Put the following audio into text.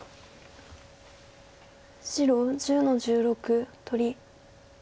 白１０の十六取り。